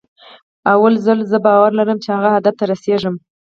لومړی زه باور لرم چې هغه هدف ته رسېږم.